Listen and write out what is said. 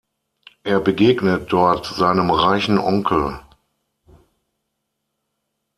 Er begegnet dort seinem reichen Onkel.